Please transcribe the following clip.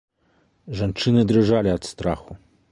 Жанчыны дрыжалі ад страху.